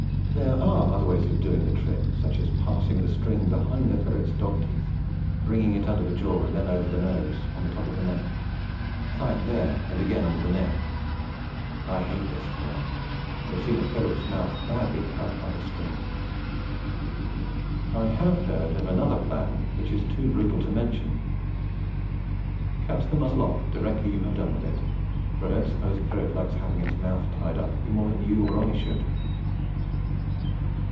There are other ways of doing the trick, such as passing the string behind the ferret's dogteeth, bring it under the jaw, then over the nose, on the top of the neck; tie it there and again under the neck. I hate this plan, and have seen a ferret's mouth badly cut by the string. I have heard of another plan which is too brutal to mention. Cut the muzzle off directly you have done with it, for I don't suppose a ferret likes having its mouth tied up any more than you or I should.